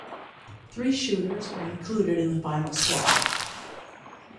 Three shooters were included in the final squad.